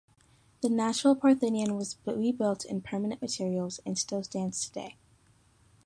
The Nashville Parthenon was rebuilt in permanent materials, and still stands today.